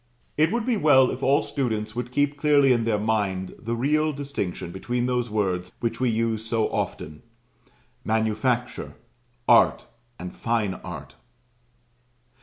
It would be well if all students would keep clearly in their mind the real distinction between those words which we use so often, "Manufacture," "Art," and "Fine Art."